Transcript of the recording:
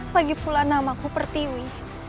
lagipula nama ku pertiwi